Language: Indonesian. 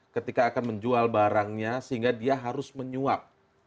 ketika akan menjual barangnya sehingga dia harus menyuap